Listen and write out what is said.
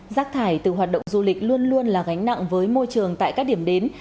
rác thải từ hoạt động du lịch luôn luôn là gánh nặng với môi trường tại các điểm đến